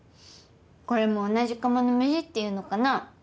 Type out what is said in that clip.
これも同じ釜の飯って言うのかな？